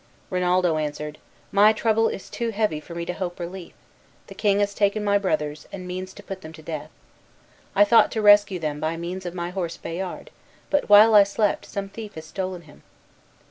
Rinaldo answered, "My trouble is too heavy for me to hope relief. The king has taken my brothers, and means to put them to death. I thought to rescue them by means of my horse Bayard, but while I slept some thief has stolen him."